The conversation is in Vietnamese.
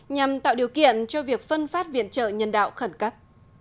nhằm tạo điều kiện cho việc phân phát viện trợ nhân đạo khẩn cấp